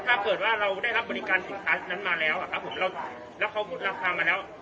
ถ้าเกิดว่าเราได้รับบริการสินค้านั้นมาแล้วอ่ะครับผมเราแล้วเขามุดราคามาแล้ว